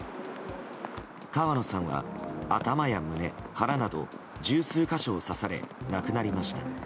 川野さんは頭や胸、腹など十数か所を刺され亡くなりました。